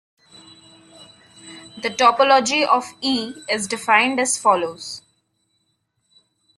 The topology of "E" is defined as follows.